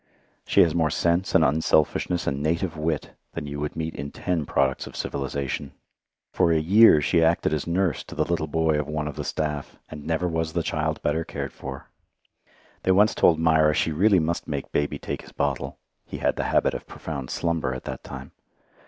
She has more sense and unselfishness and native wit than you would meet in ten products of civilization. For a year she acted as nurse to the little boy of one of the staff, and never was child better cared for. They once told 'Mira she really must make baby take his bottle. (He had the habit of profound slumber at that time.)